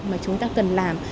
mà chúng ta cần làm